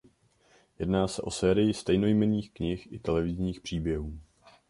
Jedná se o sérii stejnojmenných knih i televizních příběhů.